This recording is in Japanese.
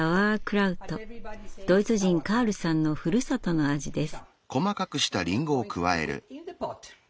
ドイツ人カールさんのふるさとの味です。